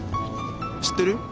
知ってる？